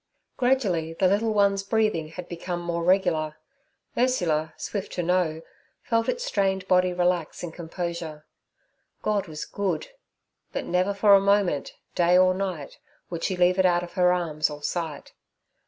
Gradually the little one's breathing had become more regular. Ursula, swift to know, felt its strained body relax in composure. God was good! but never for a moment, day or night, would she leave it out of her arms or sight.